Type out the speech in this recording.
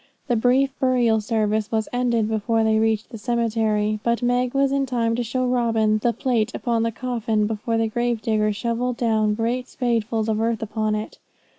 The brief burial service was ended before they reached the cemetery, but Meg was in time to show Robin the plate upon the coffin before the grave digger shovelled down great spadefuls of earth upon it.